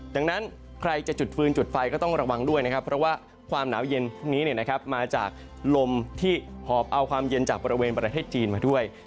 ดังนั้นใครจะจุดฟืนจุดไฟก็ต้องระวังด้วยนะครับเพราะว่าความหนาวเย็นพวกนี้มาจากลมที่หอบเอาความเย็นจากบริเวณประเทศจีนมาด้วย